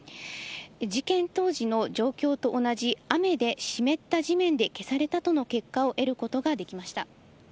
事件当時の状況と同じ雨で湿った地面で消されたとの結果を得ることができました。